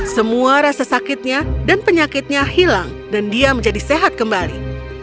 semua rasa sakitnya dan penyakitnya hilang dan dia menjadi sehat kembali